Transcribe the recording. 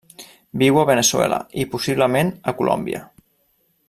Viu a Veneçuela i, possiblement, a Colòmbia.